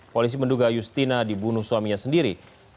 polisi menduga justina dibunuh suaminya sendiri